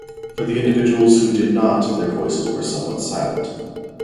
For the individuals who did not, their voices were somewhat silent.